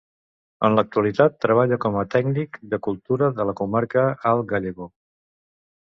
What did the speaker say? En l'actualitat treballa com a tècnic de cultura de la Comarca Alt Gállego.